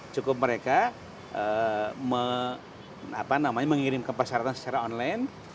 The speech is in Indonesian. cukup mereka mengirimkan persyaratan secara online